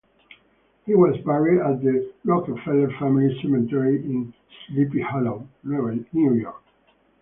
He was buried at the Rockefeller Family Cemetery in Sleepy Hollow, New York.